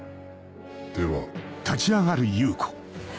では。